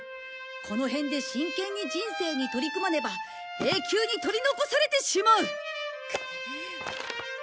この辺で真剣に人生に取り組まねば永久に取り残されてしまう。